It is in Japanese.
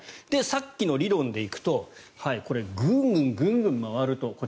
さっきの理論で行くとぐんぐん、ぐんぐん回ると。